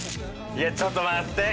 ちょっと待って！